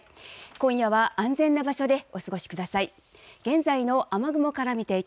今夜は、安全な場所でお過ごしください。